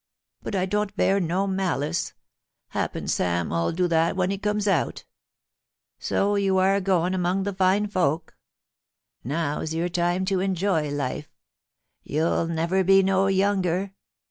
But I don't bear no malice — happen Sam 'ull do that when he comes out ... So you are agoin' among the fine folk. Now^s your time to enjoy life. You'll never be no younger.